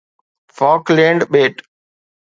Falkland ٻيٽ